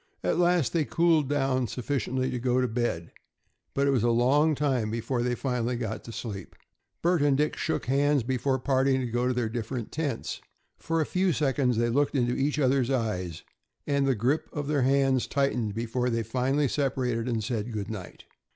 At last they cooled down sufficiently to go to bed, but it was a long time before they finally got to sleep. Bert and Dick shook hands before parting to go to their different tents. For a few seconds they looked into each other's eyes, and the grip of their hands tightened before they finally separated and said good night.